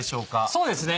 そうですね。